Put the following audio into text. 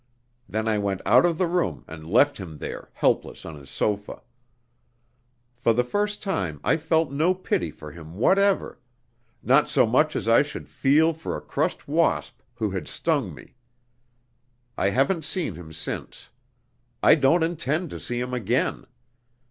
Then I went out of the room and left him there, helpless on his sofa. For the first time I felt no pity for him whatever not so much as I should feel for a crushed wasp who had stung me. I haven't seen him since. I don't intend to see him again.